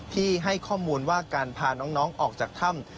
ให้ข้อมูลว่าการพาน้องออกจากถ้ำ